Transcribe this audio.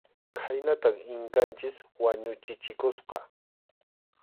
Khaynatam Inkanchik wañuchichikusqa.